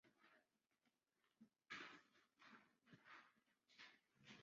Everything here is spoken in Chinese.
幼赫壳蛞蝓为壳蛞蝓科赫壳蛞蝓属的动物。